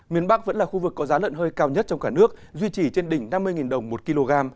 miền bắc vẫn là khu vực có giá lợn hơi cao nhất trong cả nước duy trì trên đỉnh năm mươi đồng một kg